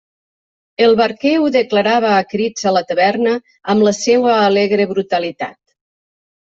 El barquer ho declarava a crits a la taverna amb la seua alegre brutalitat.